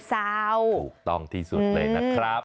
เศร้าถูกต้องที่สุดเลยนะครับ